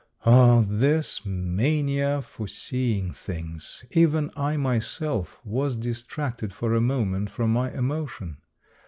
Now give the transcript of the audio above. Oh, this mania for seeing things ! Even I myself was distracted for a moment from my emotion.